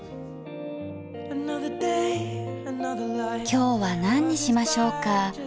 今日は何にしましょうか？